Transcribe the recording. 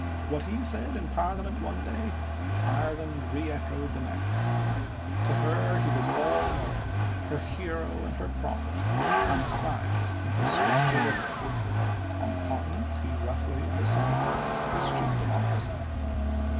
What he said in parliament one day, Ireland re echoed the next. To her he was all in all, her hero and her prophet, her Messias and her strong deliverer. On the continent he roughly personified Christian Democracy.